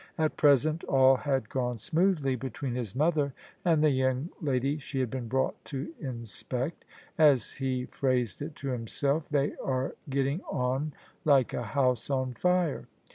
At present all had gone smoothly between his mother and the young lady she had been brought to inspect: as he phrased it to himself, '* they are getting on like a house on fire."